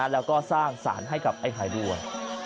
แล้วก็สร้างสารให้กับไอ้ไข่ด้วย